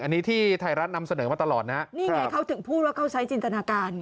อันนี้ที่ไทยรัฐนำเสนอมาตลอดนะฮะนี่ไงเขาถึงพูดว่าเขาใช้จินตนาการ